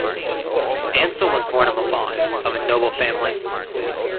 Anselm was born in Milan of a noble family.